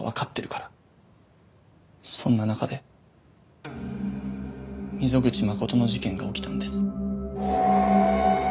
そんな中で溝口誠の事件が起きたんです。